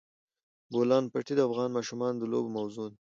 د بولان پټي د افغان ماشومانو د لوبو موضوع ده.